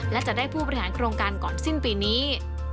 และจะได้ผู้บริหารโครงการก่อนสิ้นปีนี้